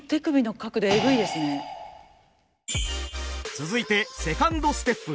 続いてセカンドステップ。